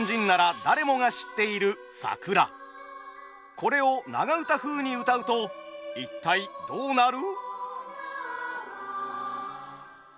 これを長唄風にうたうと一体どうなる？